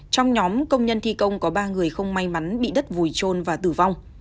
trong nhóm công nhân thi công có ba người không may mắn bị đất vùi trôn và tử vong